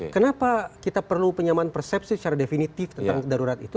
kenapa kita perlu penyamaan persepsi secara definitif tentang darurat itu